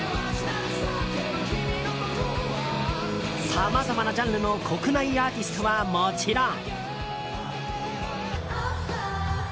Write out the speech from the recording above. さまざまなジャンルの国内アーティストはもちろん。